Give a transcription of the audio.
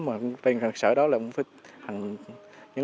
và truyền hợp sở đó là những lãnh đạo